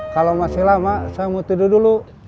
kalau masih lama saya mau tidur dulu